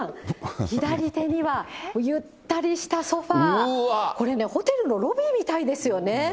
左手にはゆったりしたソファー、これね、ホテルのロビーみたいですよね。